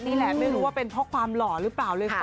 นี่แหละไม่รู้ว่าเป็นเพราะความหล่อหรือเปล่าเลยค่ะ